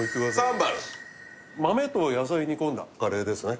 サンバル豆と野菜煮込んだカレーですね